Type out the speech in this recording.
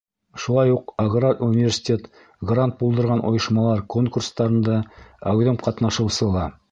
Шулай уҡ аграр университет — грант булдырған ойошмалар конкурстарында әүҙем ҡатнашыусы ла.